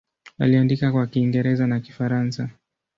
Aliandika kwa Kiingereza na Kifaransa.